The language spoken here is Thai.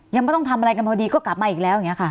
ยังไม่ต้องทำไรกันเพราะดีก็กลับมาอีกแล้วเงี้ยค่ะ